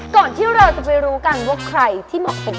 ก่อนที่เราจะไปรู้กันว่าใครที่เหมาะสม